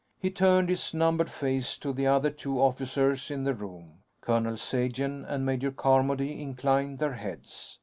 He turned his numbed face to the other two officers in the room. Colonel Sagen and Major Carmody inclined their heads.